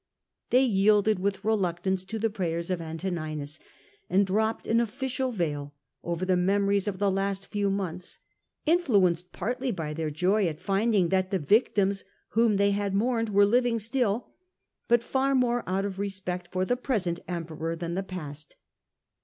They yielded with reluctance to the prayers of Antoninus, and dropped an official veil over the memories and canoni the last few months, influenced partly by ration. their joy at finding that the victims whom they had mourned were living still, but far more out of re spect for the present Emperor than the past.